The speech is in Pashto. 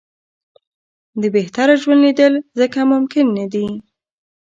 د بهتره ژوند لېدل ځکه ممکن نه دي.